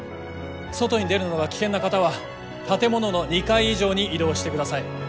外に出るのが危険な方は建物の２階以上に移動してください。